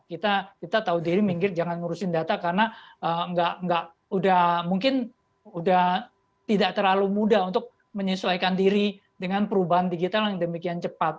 kita tahu diri minggir jangan ngurusin data karena mungkin udah tidak terlalu mudah untuk menyesuaikan diri dengan perubahan digital yang demikian cepat